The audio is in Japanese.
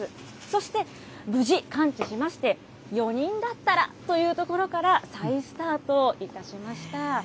そして、無事完治しまして、４人だったらというところから、再スタートいたしました。